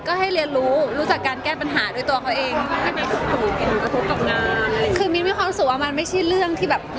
คือมินมีความรู้สึกว่ามันไม่ใช่เรื่องที่แบบ